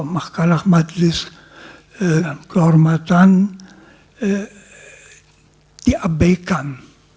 mahkamah majelis kehormatan diabaikan